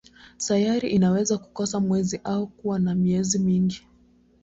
Sayari inaweza kukosa mwezi au kuwa na miezi mingi.